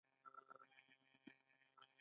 د تنقیدي شعور دراوزې مو بندې ساتلي دي.